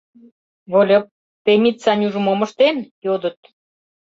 — Выльып, Темит Санюжо мом ыштен? — йодыт.